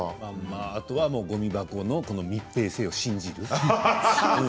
あとはごみ箱の密閉性を信じる。